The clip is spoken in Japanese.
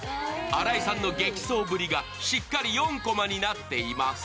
新井さんの激走ぶりがしっかり４コマになっています。